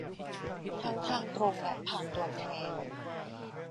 ทั้งทางตรงและผ่านตัวแทน